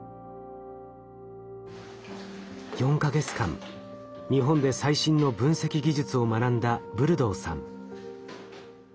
４か月間日本で最新の分析技術を学んだブルドーさん。